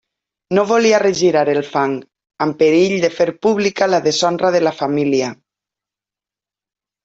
No volia regirar el fang, amb perill de fer pública la deshonra de la família.